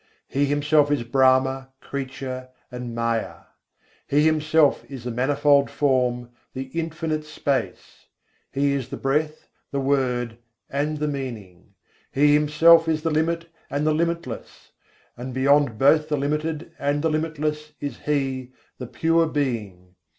He Himself is Brahma, creature, and Maya. He Himself is the manifold form, the infinite space; He is the breath, the word, and the meaning. He Himself is the limit and the limitless: and beyond both the limited and the limitless is He, the Pure Being.